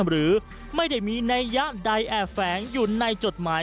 หรือไม่ได้มีนัยยะใดแอบแฝงอยู่ในจดหมาย